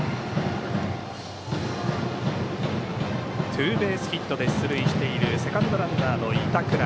ツーベースヒットで出塁しているセカンドランナーの板倉。